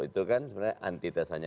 itu kan sebenarnya antites hanya